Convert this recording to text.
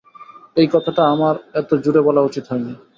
এই কথাটা আমার এতো জোরে বলা উচিত হয়নি।